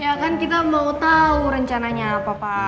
ya kan kita mau tahu rencananya papa